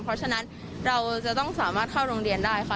เพราะฉะนั้นเราจะต้องสามารถเข้าโรงเรียนได้ค่ะ